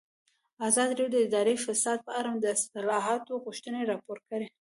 ازادي راډیو د اداري فساد په اړه د اصلاحاتو غوښتنې راپور کړې.